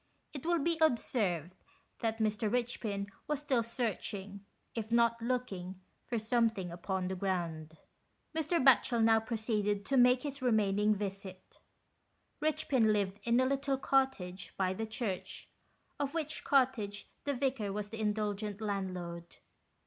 It will be observed that Mr. Eichpin was still searching, if not looking, for something upon the ground. 48 THE RICHPINS. Mr. Batohel now proceeded to make his re maining visit. Richpin lived in a little cottage by the church, of which cottage the Vicar was the indulgent landlord.